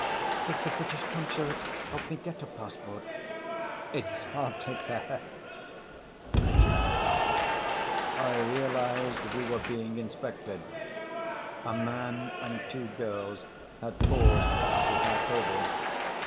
"Could the British Consulate help me get a passport?" "It's hardly their...." "Could you?" I realized we were being inspected. A man and two girls had paused opposite our table.